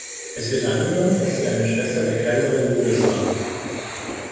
Es wird angenommen, dass sie eine Schwester der Kaiserin Judith war.